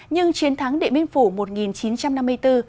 nhưng chiến thắng điện biên phủ một nghìn chín trăm năm mươi bốn